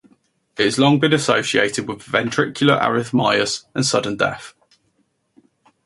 It has long been associated with ventricular arrhythmias and sudden death.